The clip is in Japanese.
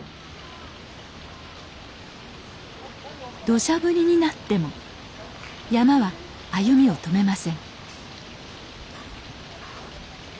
どしゃ降りになっても山車は歩みを止めません